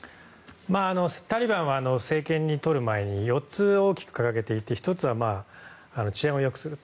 タリバンは政権をとる前に４つ大きく掲げていて１つは治安を良くする。